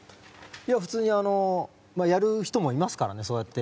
普通に、やる人もいますからねそうやって。